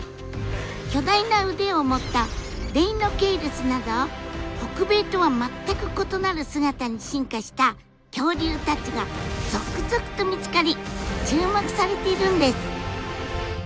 巨大な腕を持ったデイノケイルスなど北米とは全く異なる姿に進化した恐竜たちが続々と見つかり注目されているんです。